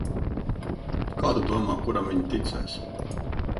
Un, kā tu domā, kuram viņi ticēs?